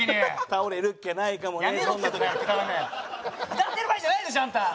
歌ってる場合じゃないでしょあんた！